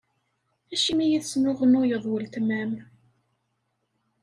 Acimi i tesnuɣnuyeḍ weltma-m?